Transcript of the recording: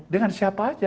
dengan siapa saja